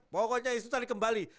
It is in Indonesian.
pokoknya itu tadi kembali